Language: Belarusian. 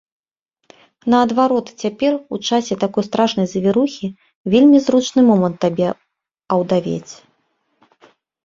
Наадварот, цяпер, у часе такой страшнай завірухі, вельмі зручны момант табе аўдавець.